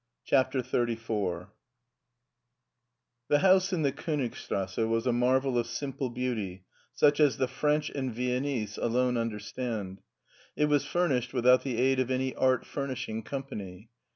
CHAPTER XXXIV THE house in the Konigstrasse was a marvel of simple beauty, such as the French and Viennese alone understand. It was furnished without the aid of any art furnishing company.